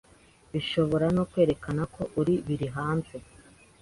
bishobora no kwerekanako uri biri hanze